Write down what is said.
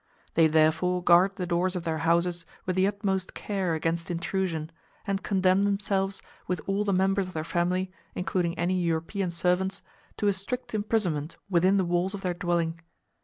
They therefore guard the doors of their houses with the utmost care against intrusion, and condemn themselves, with all the members of their family, including any European servants, to a strict imprisonment within the walls of their dwelling.